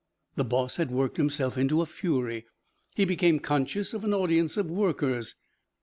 The boss had worked himself into a fury. He became conscious of an audience of workers.